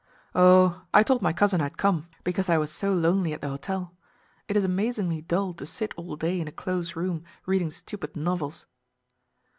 "Oh I told my cousin I had come because I was so lonely at the hotel. It is amazingly dull to sit all day in a close room, reading stupid novels."